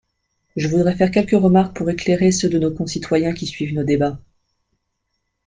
Je voudrais faire quelques remarques pour éclairer ceux de nos concitoyens qui suivent nos débats.